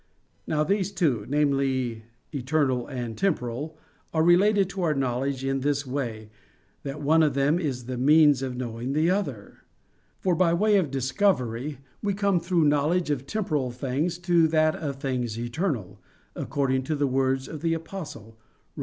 Now these two namely, eternal and temporal are related to our knowledge in this way, that one of them is the means of knowing the other. For by way of discovery, we come through knowledge of temporal things to that of things eternal, according to the words of the Apostle (Rom.